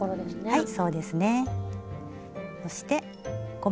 はい。